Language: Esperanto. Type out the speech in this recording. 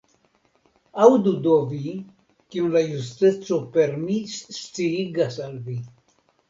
Aŭdu do vi, kion la justeco per mi sciigas al vi!